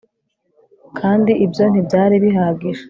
Kandi ibyo ntibyari bihagije